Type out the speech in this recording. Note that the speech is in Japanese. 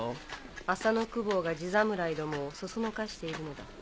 アサノ公方が地侍どもをそそのかしているのだ。